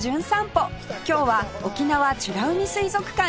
今日は沖縄美ら海水族館へ